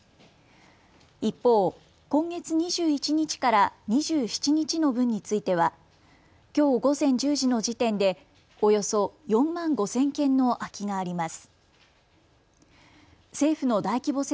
一方、今月２１日から２７日の分についてはきょう午前１０時の時点でおよそ４万５０００件の空きがあります。